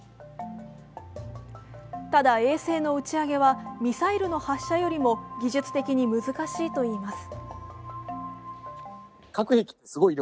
ただ、衛星の打ち上げはミサイルの発射よりも技術的に難しいといいます。